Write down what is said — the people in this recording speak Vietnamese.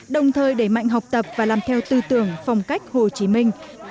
đồng thời đẩy mạnh học tập và làm theo tư tưởng phong cách hồ chí minh